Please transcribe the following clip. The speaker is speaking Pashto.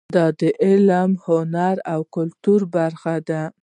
د علم، هنر او کلتور په برخه کې.